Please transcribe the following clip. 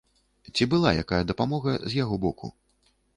Ці была якая дапамога з яго боку?